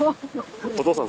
お父さん